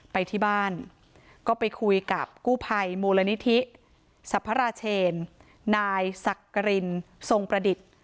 ไปที่บ้านก็ไปคุยกับกู้ภัยมูลนิธิสรรพราเชนนายสักกรินทรงประดิษฐ์